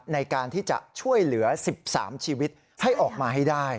ในการที่จะช่วยเหลือ๑๓ชีวิตให้ออกมาให้ได้